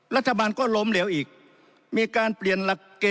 รัฐบาลก็ล้มเหลวอีก